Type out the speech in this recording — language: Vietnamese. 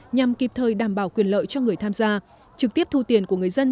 nhằm kịp thời đảm bảo quyền lợi cho người tham gia trực tiếp thu tiền của người dân